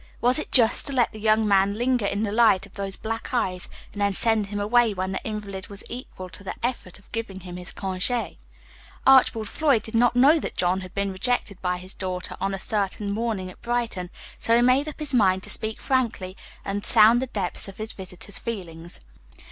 Was it just to let the young man linger in the light of those black eyes, and then send him away when the invalid was equal to the effort of giving him his congé? Archibald Floyd did not know that John had been rejected by his daughter on a certain morning at Brighton, so he made up his mind to speak frankly, and sound the depths of his visitor's feelings.